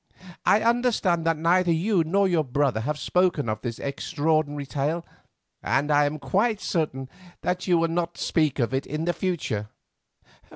I understand that neither you nor your brother have spoken of this extraordinary tale, and I am quite certain that you will not speak of it in the future."